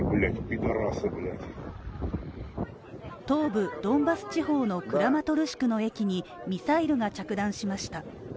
東部ドンバス地方のクラマトルシクの駅にミサイルが着弾しました。